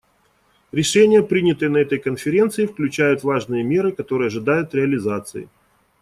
Решения, принятые на этой Конференции, включают важные меры, которые ожидают реализации.